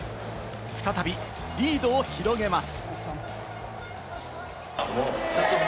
再びリードを広げます。